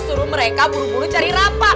suruh mereka bulu bulu cari rapa